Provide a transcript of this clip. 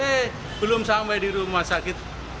eh belum sampai di rumah sakit